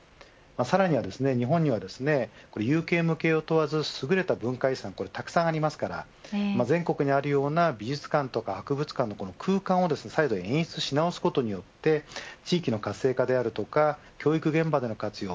さらに日本は、有形無形を問わず優れた文化遺産これがたくさんありますから全国にあるような美術館とか博物館の空間を再度演出し直すことによって地域の活性化や教育現場での活用